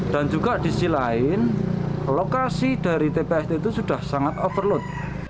juga di sisi lain lokasi dari tpst itu sudah sangat overload